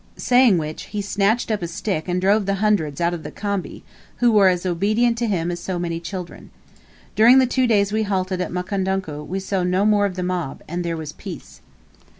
Saying which, he snatched up a stick and drove the hundreds out of the khambi, who were as obedient to him as so many children. During the two days we halted at Mukondoku we saw no more of the mob, and there was peace.